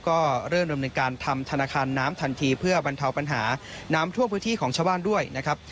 ก็เริ่มดำเนินการทำธนาคารน้ำทันทีเพื่อบรรเทาปัญหาน้ำท่วมพื้นที่ของชาวบ้านด้วยนะครับ